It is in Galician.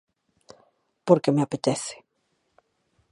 Porque me apetece.